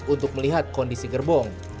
untuk melihat kondisi gerbong